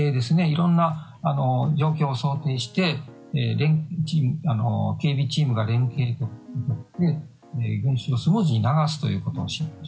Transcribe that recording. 色んな状況を想定して警備チームが連携をして群衆をスムーズに流すということ。